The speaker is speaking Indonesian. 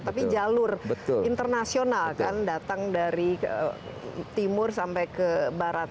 tapi jalur internasional kan datang dari timur sampai ke barat